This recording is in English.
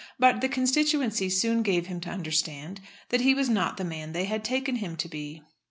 But the constituency soon gave him to understand that he was not the man they had taken him to be.